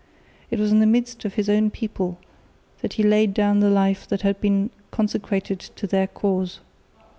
It was in the midst of his own people that he laid down the life that had been consecrated to their cause.